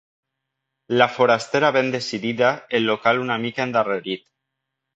La forastera ben decidida, el local una mica endarrerit.